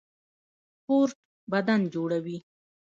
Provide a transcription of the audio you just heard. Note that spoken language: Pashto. سپورټ بدن جوړوي